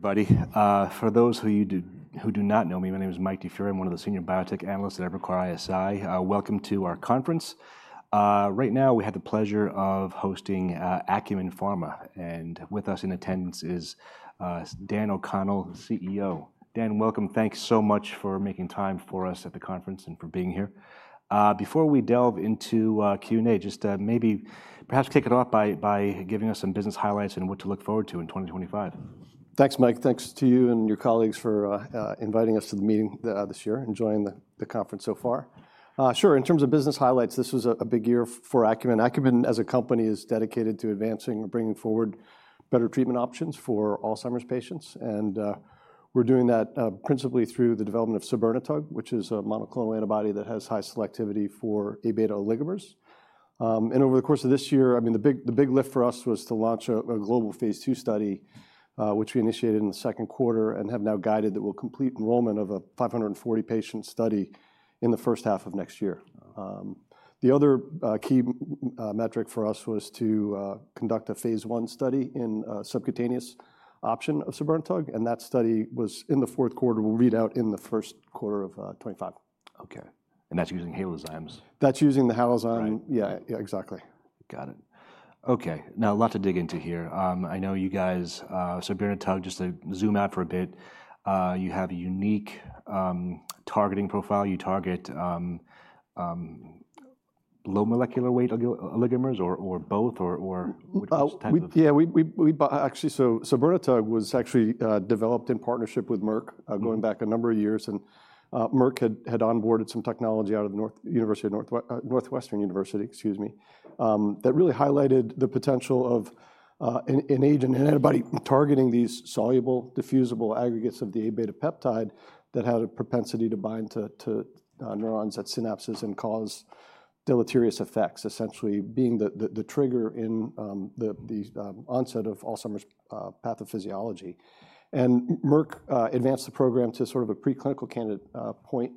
For those who do not know me, my name is Mike DiFiore. I'm one of the senior biotech analysts at Evercore ISI. Welcome to our conference. Right now, we have the pleasure of hosting Acumen Pharma, and with us in attendance is Dan O'Connell, CEO. Dan, welcome. Thanks so much for making time for us at the conference and for being here. Before we delve into Q&A, just maybe perhaps kick it off by giving us some business highlights and what to look forward to in 2025. Thanks, Mike. Thanks to you and your colleagues for inviting us to the meeting this year and joining the conference so far. Sure. In terms of business highlights, this was a big year for Acumen. Acumen, as a company, is dedicated to advancing or bringing forward better treatment options for Alzheimer's patients, and we're doing that principally through the development of sabirnetug, which is a monoclonal antibody that has high selectivity for A beta oligomers, and over the course of this year, I mean, the big lift for us was to launch a global phase two study, which we initiated in the second quarter and have now guided the complete enrollment of a 540-patient study in the first half of next year. The other key metric for us was to conduct a phase one study in a subcutaneous option of sabirnetug, and that study was in the fourth quarter. We'll read out in the first quarter of 2025. Okay. And that's using Halozyme's? That's using the Halozyme. Yeah, exactly. Got it. Okay. Now, a lot to dig into here. I know you guys, sabirnetug, just to zoom out for a bit, you have a unique targeting profile. You target low molecular weight oligomers or both or? Yeah, we actually, so sabirnetug was actually developed in partnership with Merck going back a number of years. And Merck had onboarded some technology out of Northwestern University, excuse me, that really highlighted the potential of an agent and antibody targeting these soluble diffusible aggregates of the A beta peptide that had a propensity to bind to neurons at synapses and cause deleterious effects, essentially being the trigger in the onset of Alzheimer's pathophysiology. And Merck advanced the program to sort of a preclinical candidate point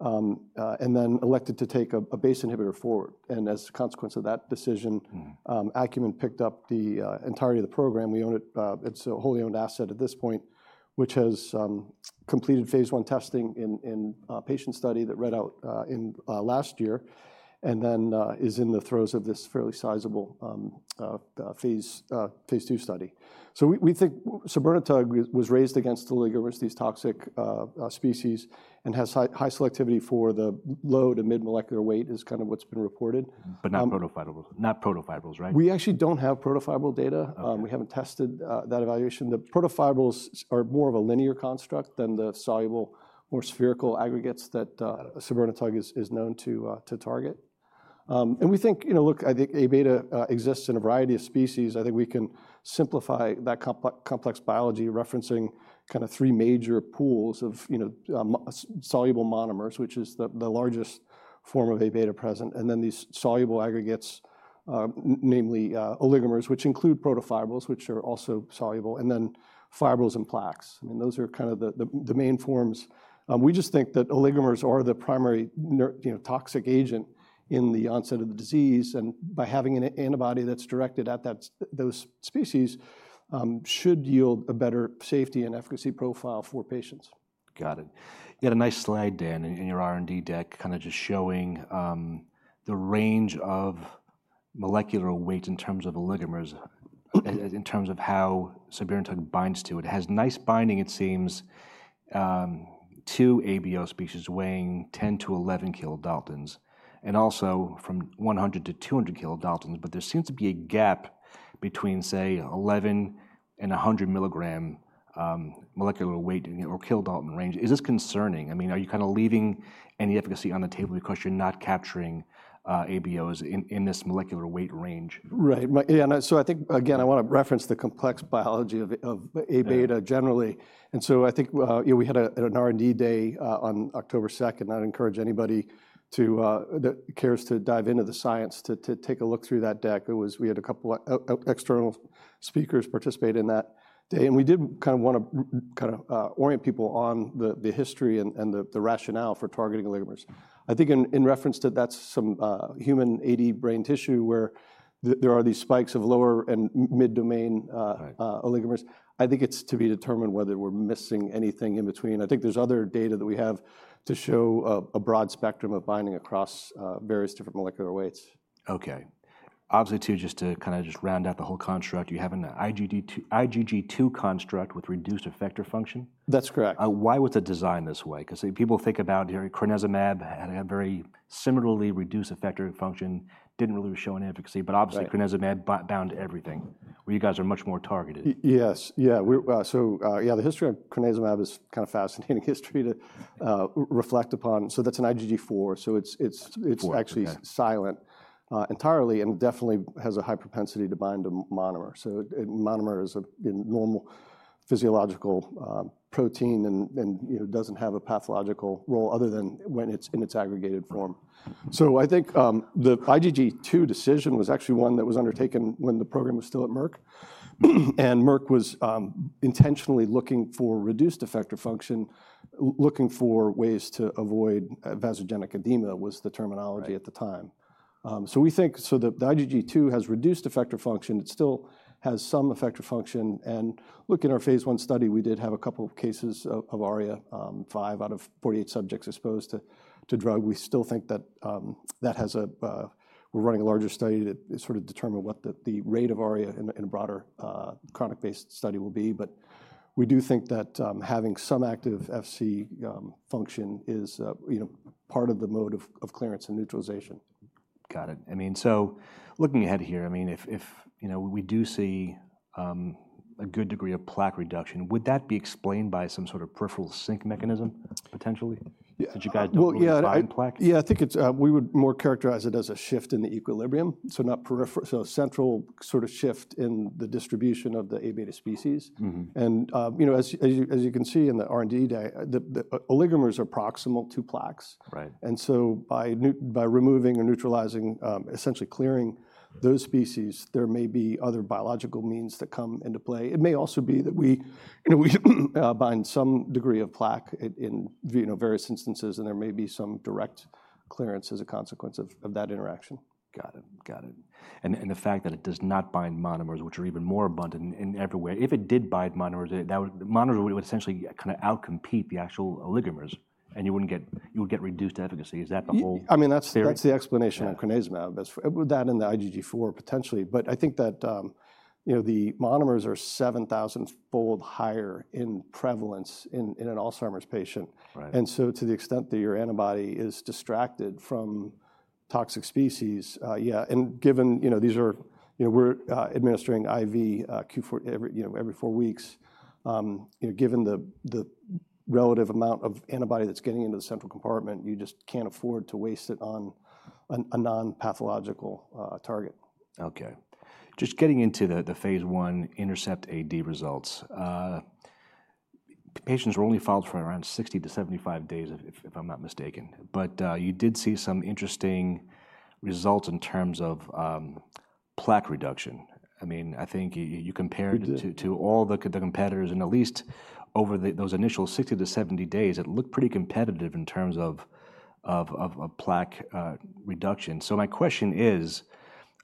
and then elected to take a BACE inhibitor forward. And as a consequence of that decision, Acumen picked up the entirety of the program. We own it. It's a wholly owned asset at this point, which has completed phase one testing in a patient study that read out last year and then is in the throes of this fairly sizable phase two study. So we think sabirnetug was raised against oligomers, these toxic species, and has high selectivity for the low-to-mid molecular weight is kind of what's been reported. But not protofibrils, right? We actually don't have protofibril data. We haven't tested that evaluation. The protofibrils are more of a linear construct than the soluble, more spherical aggregates that sabirnetug is known to target. And we think, you know, look, I think A beta exists in a variety of species. I think we can simplify that complex biology referencing kind of three major pools of soluble monomers, which is the largest form of A beta present. And then these soluble aggregates, namely oligomers, which include protofibrils, which are also soluble, and then fibrils and plaques. I mean, those are kind of the main forms. We just think that oligomers are the primary toxic agent in the onset of the disease. And by having an antibody that's directed at those species should yield a better safety and efficacy profile for patients. Got it. You had a nice slide, Dan, in your R&D deck kind of just showing the range of molecular weight in terms of oligomers, in terms of how sabirnetug binds to it. It has nice binding, it seems, to ABO species weighing 10-11 kilodaltons and also from 100-200 kilodaltons. But there seems to be a gap between, say, 11 and 100 kilodalton molecular weight or kilodalton range. Is this concerning? I mean, are you kind of leaving any efficacy on the table because you're not capturing ABOs in this molecular weight range? Right. Yeah. So I think, again, I want to reference the complex biology of A beta generally. So I think we had an R&D day on October 2nd. I'd encourage anybody that cares to dive into the science to take a look through that deck. We had a couple of external speakers participate in that day. We did kind of want to kind of orient people on the history and the rationale for targeting oligomers. I think in reference to that, it's some human AD brain tissue where there are these spikes of lower and mid-domain oligomers. I think it's to be determined whether we're missing anything in between. I think there's other data that we have to show a broad spectrum of binding across various different molecular weights. Okay. Obviously, too, just to kind of round out the whole construct, you have an IgG2 construct with reduced effector function. That's correct. Why was it designed this way? Because people think about, you know, crenezumab had a very similarly reduced effector function, didn't really show an efficacy. But obviously, crenezumab bound everything where you guys are much more targeted. Yes. Yeah. So yeah, the history of crenezumab is kind of a fascinating history to reflect upon. So that's an IgG4. So it's actually silent entirely and definitely has a high propensity to bind a monomer. So a monomer is a normal physiological protein and doesn't have a pathological role other than when it's in its aggregated form. So I think the IgG2 decision was actually one that was undertaken when the program was still at Merck. And Merck was intentionally looking for reduced effector function, looking for ways to avoid vasogenic edema was the terminology at the time. So we think, so the IgG2 has reduced effector function. It still has some effector function. And looking at our phase 1 study, we did have a couple of cases of ARIA, five out of 48 subjects exposed to drug. We still think that has a, we're running a larger study to sort of determine what the rate of ARIA in a broader chronic-based study will be. But we do think that having some active Fc function is part of the mode of clearance and neutralization. Got it. I mean, so looking ahead here, I mean, if we do see a good degree of plaque reduction, would that be explained by some sort of peripheral sink mechanism potentially? Yeah. Did you guys identify plaque? Yeah, I think we would more characterize it as a shift in the equilibrium. So not peripheral, so a central sort of shift in the distribution of the A beta species. And as you can see in the R&D, the oligomers are proximal to plaques. And so by removing or neutralizing, essentially clearing those species, there may be other biological means that come into play. It may also be that we bind some degree of plaque in various instances, and there may be some direct clearance as a consequence of that interaction. Got it. Got it. And the fact that it does not bind monomers, which are even more abundant in everywhere, if it did bind monomers, monomers would essentially kind of outcompete the actual oligomers, and you would get reduced efficacy. Is that the whole theory? I mean, that's the explanation of crenezumab, that and the IgG4 potentially. But I think that the monomers are 7,000-fold higher in prevalence in an Alzheimer's patient. And so to the extent that your antibody is distracted from toxic species, yeah. And given these are, we're administering IV every four weeks. Given the relative amount of antibody that's getting into the central compartment, you just can't afford to waste it on a non-pathological target. Okay. Just getting into the phase 1 INTERCEPT-AD results, patients were only followed for around 60 to 75 days, if I'm not mistaken. But you did see some interesting results in terms of plaque reduction. I mean, I think you compared to all the competitors, and at least over those initial 60 to 70 days, it looked pretty competitive in terms of plaque reduction. So my question is,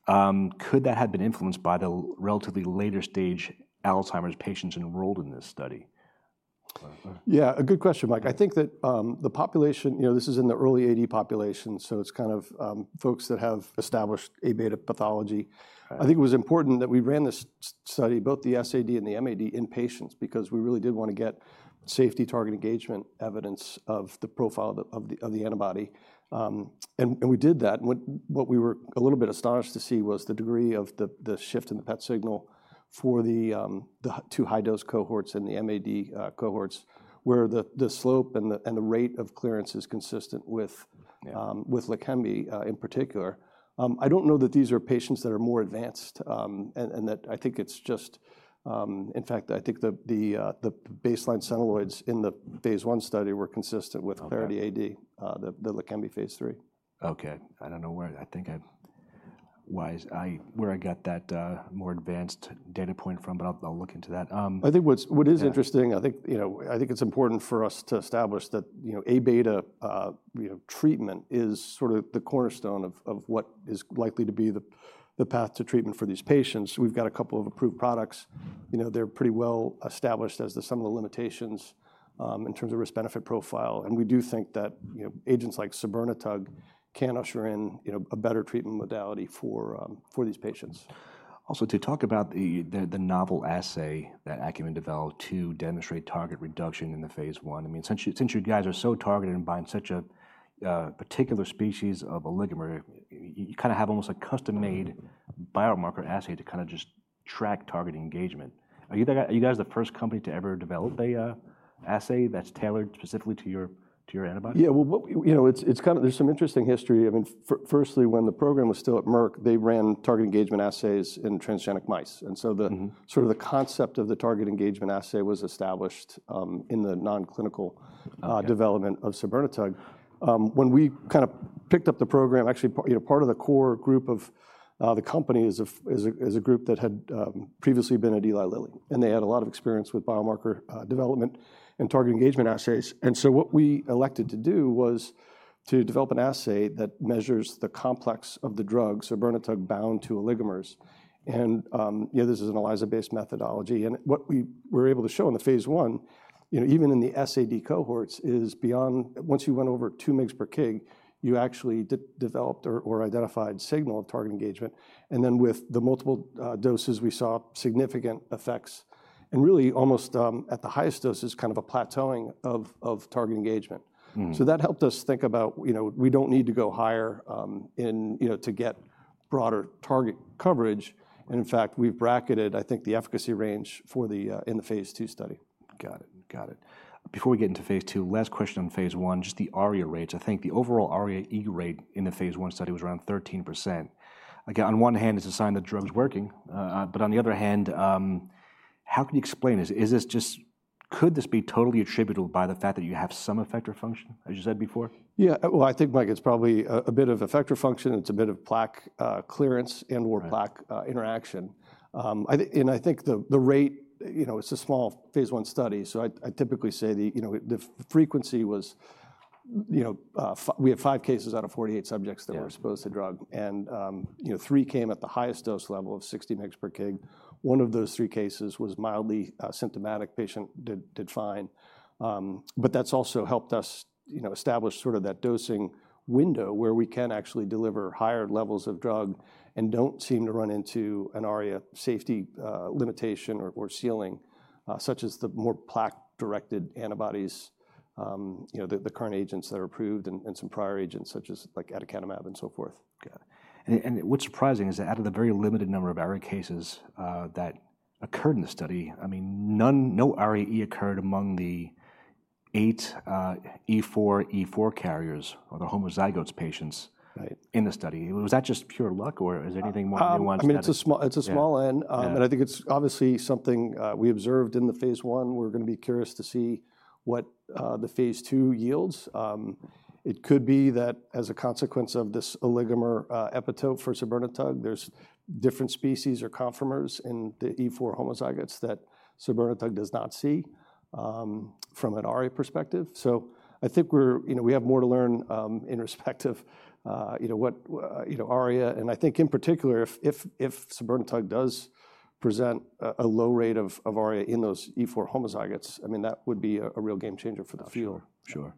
could that have been influenced by the relatively later stage Alzheimer's patients enrolled in this study? Yeah, a good question, Mike. I think that the population, you know, this is in the early AD population. So it's kind of folks that have established A beta pathology. I think it was important that we ran this study, both the SAD and the MAD in patients because we really did want to get safety target engagement evidence of the profile of the antibody. And we did that. And what we were a little bit astonished to see was the degree of the shift in the PET signal for the two high-dose cohorts and the MAD cohorts where the slope and the rate of clearance is consistent with Leqembi in particular. I don't know that these are patients that are more advanced and that I think it's just, in fact, I think the baseline centiloids in the phase one study were consistent with Clarity AD, the Leqembi phase three. Okay. I don't know where I got that more advanced data point from, but I'll look into that. I think what is interesting, I think it's important for us to establish that A beta treatment is sort of the cornerstone of what is likely to be the path to treatment for these patients. We've got a couple of approved products. They're pretty well established as some of the limitations in terms of risk-benefit profile. And we do think that agents like sabirnetug can usher in a better treatment modality for these patients. Also, to talk about the novel assay that Acumen developed to demonstrate target reduction in the phase 1. I mean, since you guys are so targeted and bind such a particular species of oligomer, you kind of have almost a custom-made biomarker assay to kind of just track target engagement. Are you guys the first company to ever develop an assay that's tailored specifically to your antibody? Yeah, well, you know, it's kind of, there's some interesting history. I mean, firstly, when the program was still at Merck, they ran target engagement assays in transgenic mice. And so sort of the concept of the target engagement assay was established in the non-clinical development of sabirnetug. When we kind of picked up the program, actually, part of the core group of the company is a group that had previously been at Eli Lilly, and they had a lot of experience with biomarker development and target engagement assays. And so what we elected to do was to develop an assay that measures the complex of the drug, sabirnetug, bound to oligomers. And this is an ELISA-based methodology. And what we were able to show in the phase 1, even in the SAD cohorts, is beyond once you went over two mgs per kg, you actually developed or identified signal of target engagement. And then with the multiple doses, we saw significant effects and really almost at the highest doses, kind of a plateauing of target engagement. So that helped us think about, we don't need to go higher to get broader target coverage. And in fact, we've bracketed, I think, the efficacy range in the phase 2 study. Got it. Got it. Before we get into phase 2, last question on phase 1, just the ARIA rates. I think the overall ARIA-E rate in the phase 1 study was around 13%. Again, on one hand, it's a sign that the drug's working. But on the other hand, how can you explain this? Is this just, could this be totally attributable by the fact that you have some effector function, as you said before? Yeah. Well, I think, Mike, it's probably a bit of effector function. It's a bit of plaque clearance and/or plaque interaction. And I think the rate, it's a small phase 1 study. So I typically say the frequency was, we had five cases out of 48 subjects that were exposed to drug. And three came at the highest dose level of 60 mg per kg. One of those three cases was mildly symptomatic. The patient did fine. But that's also helped us establish sort of that dosing window where we can actually deliver higher levels of drug and don't seem to run into an ARIA safety limitation or ceiling, such as the more plaque-directed antibodies, the current agents that are approved and some prior agents, such as like aducanumab and so forth. Got it. And what's surprising is that out of the very limited number of ARIA cases that occurred in the study, I mean, no ARIA-E occurred among the eight E4, E4 carriers or the homozygous patients in the study. Was that just pure luck or is there anything more that you want to tell? I mean, it's a small n. And I think it's obviously something we observed in the phase one. We're going to be curious to see what the phase two yields. It could be that as a consequence of this oligomer epitope for sabirnetug, there's different species or conformers in the E4 homozygotes that sabirnetug does not see from an ARIA perspective. So I think we have more to learn in respect of what ARIA. And I think in particular, if sabirnetug does present a low rate of ARIA in those E4 homozygotes, I mean, that would be a real game changer for the study.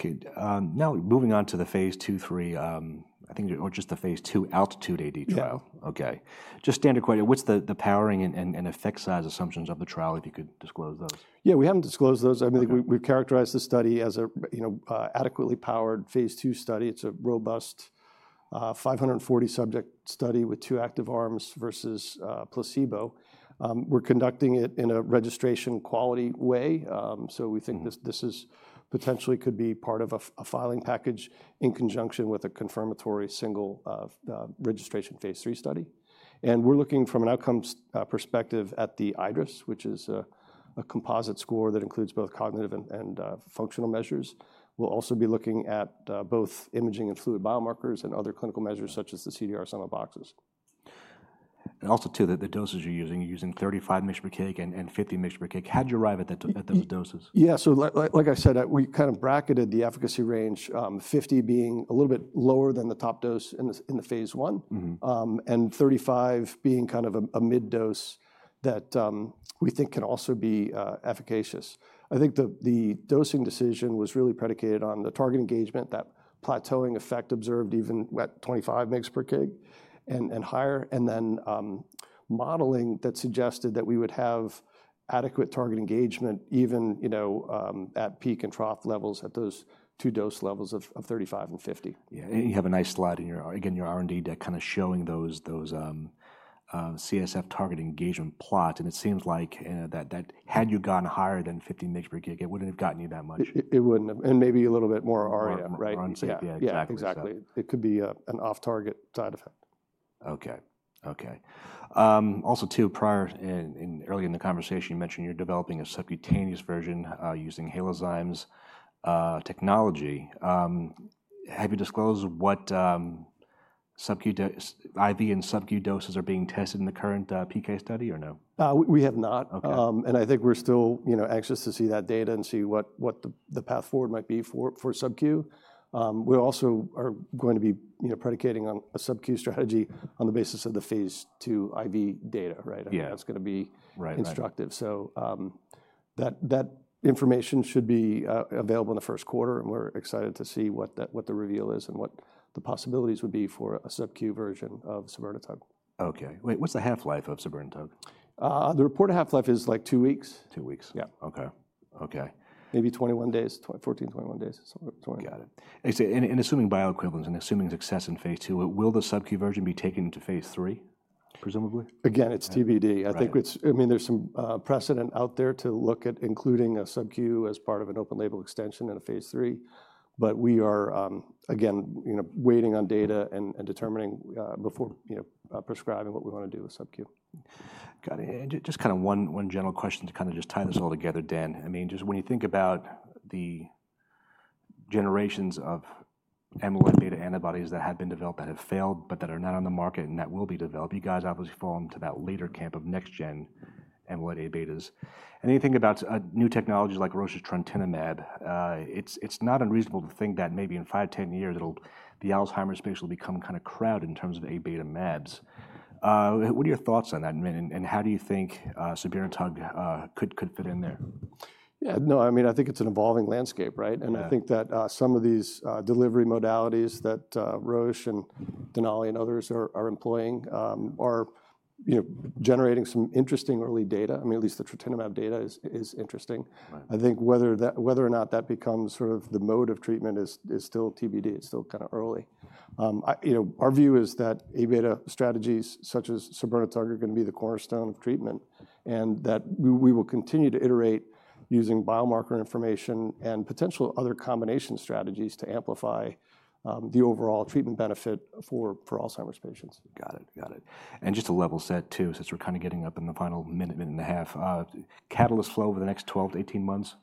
Sure. Sure. Okay. Now moving on to the phase two, three, I think, or just the phase two ALTITUDE-AD trial. Okay. Just standard question, what's the powering and effect size assumptions of the trial if you could disclose those? Yeah, we haven't disclosed those. I mean, we've characterized the study as an adequately powered phase two study. It's a robust 540-subject study with two active arms versus placebo. We're conducting it in a registration quality way. So we think this potentially could be part of a filing package in conjunction with a confirmatory single registration phase three study, and we're looking from an outcome perspective at the iADRS, which is a composite score that includes both cognitive and functional measures. We'll also be looking at both imaging and fluid biomarkers and other clinical measures such as the CDR-SB. And also too, the doses you're using, you're using 35 mg per kg and 50 mg per kg. How did you arrive at those doses? Yeah, so like I said, we kind of bracketed the efficacy range, 50 being a little bit lower than the top dose in the phase 1 and 35 being kind of a mid-dose that we think can also be efficacious. I think the dosing decision was really predicated on the target engagement, that plateauing effect observed even at 25 mg per kg and higher, and then modeling that suggested that we would have adequate target engagement even at peak and trough levels at those two dose levels of 35 and 50. Yeah. And you have a nice slide in your R&D deck kind of showing those CSF target engagement plots. And it seems like that had you gone higher than 50 mg per kg, it wouldn't have gotten you that much. It wouldn't, and maybe a little bit more ARIA, right? Yeah. Exactly. It could be an off-target side effect. Okay. Okay. Also too, prior and early in the conversation, you mentioned you're developing a subcutaneous version using Halozyme's technology. Have you disclosed what IV and subcu doses are being tested in the current PK study or no? We have not. And I think we're still anxious to see that data and see what the path forward might be for subcu. We also are going to be predicating on a subcu strategy on the basis of the phase two IV data, right? I think that's going to be instructive. So that information should be available in the first quarter. And we're excited to see what the reveal is and what the possibilities would be for a subcu version of sabirnetug. Okay. Wait, what's the half-life of sabirnetug? The reported half-life is like two weeks. Two weeks. Yeah. Okay. Okay. Maybe 21 days, 14, 21 days. Got it. And assuming bioequivalence and assuming success in phase two, will the subcu version be taken into phase three, presumably? Again, it's TBD. I think it's, I mean, there's some precedent out there to look at including a subcu as part of an open label extension in a phase three. But we are, again, waiting on data and determining before prescribing what we want to do with subcu. Got it. And just kind of one general question to kind of just tie this all together, Dan. I mean, just when you think about the generations of amyloid beta antibodies that have been developed that have failed, but that are not on the market and that will be developed, you guys obviously fall into that later camp of next-gen amyloid Aβs. And then you think about new technologies like Roche's trontinemab, it's not unreasonable to think that maybe in five, ten years, the Alzheimer's space will become kind of crowded in terms of Aβ mAbs. What are your thoughts on that? And how do you think sabirnetug could fit in there? Yeah. No, I mean, I think it's an evolving landscape, right? And I think that some of these delivery modalities that Roche and Denali and others are employing are generating some interesting early data. I mean, at least the trontinemab data is interesting. I think whether or not that becomes sort of the mode of treatment is still TBD. It's still kind of early. Our view is that A beta strategies such as sabirnetug are going to be the cornerstone of treatment and that we will continue to iterate using biomarker information and potential other combination strategies to amplify the overall treatment benefit for Alzheimer's patients. Got it. Got it. And just to level set too, since we're kind of getting up in the final minute, minute and a half, catalyst flow over the next 12 to 18 months?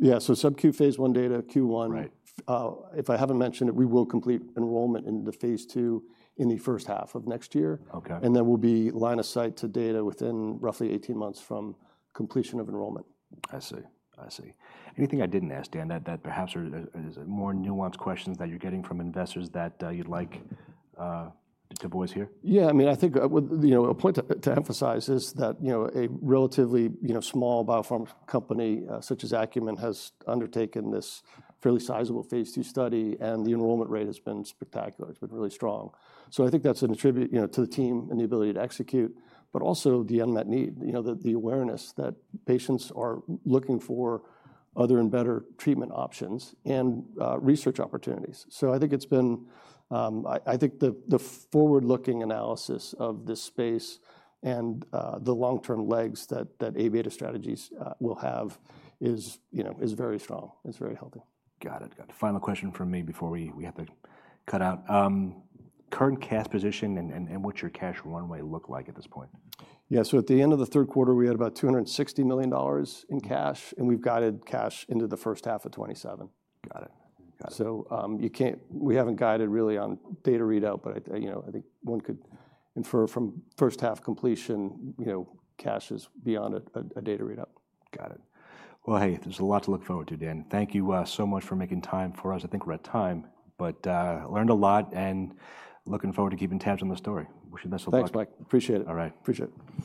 Subcu phase 1 data, Q1. If I haven't mentioned it, we will complete enrollment in the phase 2 in the first half of next year. Then we'll be in line of sight to data within roughly 18 months from completion of enrollment. I see. I see. Anything I didn't ask, Dan, that perhaps are more nuanced questions that you're getting from investors that you'd like to voice here? Yeah. I mean, I think a point to emphasize is that a relatively small biopharma company such as Acumen has undertaken this fairly sizable phase two study and the enrollment rate has been spectacular. It's been really strong. So I think that's an attribute to the team and the ability to execute, but also the unmet need, the awareness that patients are looking for other and better treatment options and research opportunities. So I think it's been, I think the forward-looking analysis of this space and the long-term legs that A beta strategies will have is very strong. It's very healthy. Got it. Got it. Final question for me before we have to cut out. Current cash position and what's your cash runway look like at this point? Yeah, so at the end of the third quarter, we had about $260 million in cash and we've guided cash into the first half of 2027. Got it. Got it. So we haven't guided really on data readout, but I think one could infer from first half completion, cash is beyond a data readout. Got it. Hey, there's a lot to look forward to, Dan. Thank you so much for making time for us. I think we're at time, but learned a lot and looking forward to keeping tabs on the story. Wish you the best of luck. Thanks, Mike. Appreciate it. All right. Appreciate it.